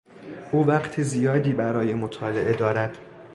او وقت زیاد برای مطالعه دارد.